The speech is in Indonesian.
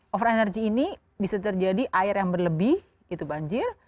over energy ini bisa terjadi air yang berlebih itu banjir